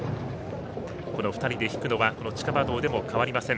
２人で引くのは地下馬道でも変わりません。